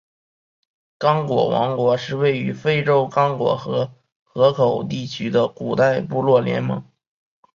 刚果王国是位于非洲刚果河河口地区的古代部落联盟。